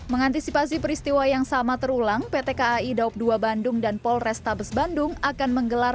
mengantisipasi peristiwa yang sama terulang pt kai daup dua bandung dan polrestabes bandung akan menggelar